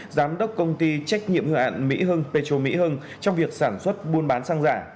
giám đốc công ty trách nhiệm ngựa ạn petro mỹ hưng trong việc sản xuất buôn bán hàng giả